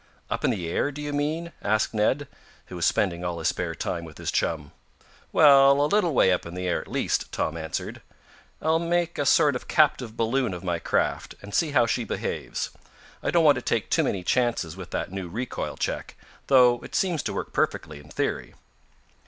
"Up in the air, do you mean?" asked Ned, who was spending all his spare time with his chum. "Well, a little way up in the air, at least," Tom answered. "I'll make a sort of captive balloon of my craft, and see how she behaves. I don't want to take too many chances with that new recoil check, though it seems to work perfectly in theory."